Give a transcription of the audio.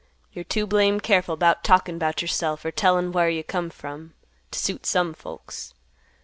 You're too blame careful 'bout talkin' 'bout yourself, or tellin' whar you come from, t' suit some folks.